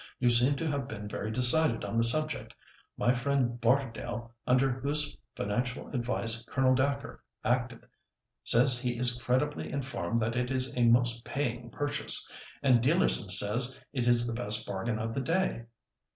"You seem to have been very decided on the subject. My friend Barterdale, under whose financial advice Colonel Dacre acted, says he is credibly informed that it is a most paying purchase. And Dealerson says it is the best bargain of the day."